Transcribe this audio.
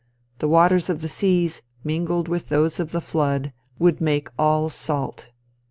The waters of the seas, mingled with those of the flood, would make all salt.